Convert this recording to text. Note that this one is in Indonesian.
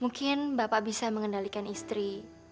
mungkin bapak bisa mengendalikan istri